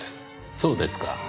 そうですか。